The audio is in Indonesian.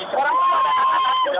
untuk berlatih sejak ini